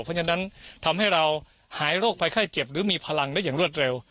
เพราะฉะนั้นทำให้เราหายโรคภัยไข้เจ็บหรือมีพลังได้อย่างรวดเร็ว